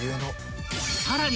［さらに］